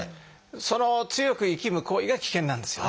その強くいきむ行為が危険なんですよね。